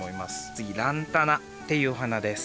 つぎランタナっていうお花です。